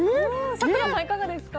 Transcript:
咲楽さん、いかがですか。